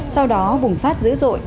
sau đó bùng phát dữ dội